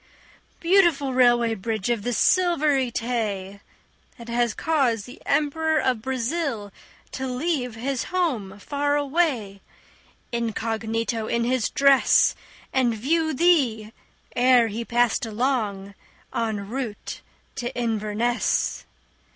Beautiful Railway Bridge of the Silvery Tay! That has caused the Emperor of Brazil to leave His home far away, incognito in his dress, And view thee ere he passed along en route to Inverness.